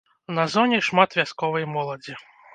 На зоне шмат вясковай моладзі.